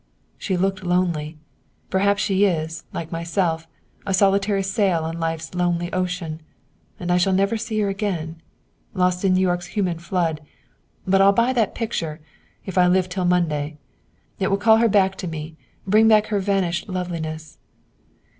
"She looked lonely. Perhaps she is, like myself, a solitary sail on Life's lonely ocean. And I shall never see her again! Lost in New York's human flood. But I'll buy that picture, if I live till Monday. It will call her back to me; bring back her vanished loveliness."